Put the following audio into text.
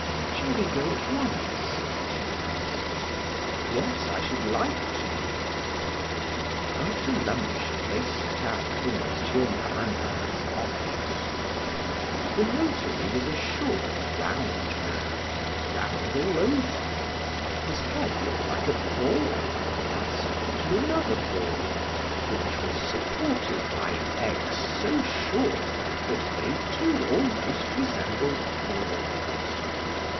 "Shall we go at once?" she asked. "Yes, I should like to." After luncheon they set out for M. Lamaneur's office. The notary was a short, round man round all over. His head looked like a ball fastened to another ball, which was supported by legs so short that they too almost resembled balls.